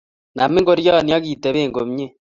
Nam ngorioni akitoben komye